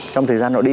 trong thời gian họ đi